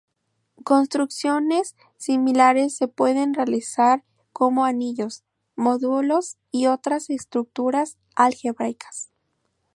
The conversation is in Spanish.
Construcciones similares se pueden realizar para anillos, módulos y otras estructuras algebraicas.